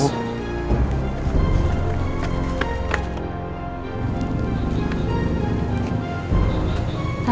aku dengar kamu usir elsa